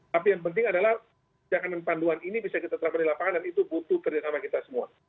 tapi yang penting adalah jangan panduan ini bisa kita terapkan di lapangan dan itu butuh kerjasama kita semua